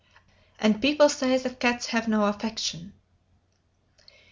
And people say that cats have no affection!"